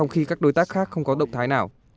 khi các đối tác khác không có động thái nào